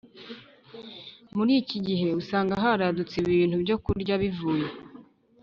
Murikigihe usanga haradutse ibintu byokurya bivuye